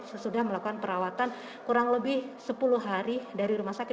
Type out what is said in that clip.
sesudah melakukan perawatan kurang lebih sepuluh hari dari rumah sakit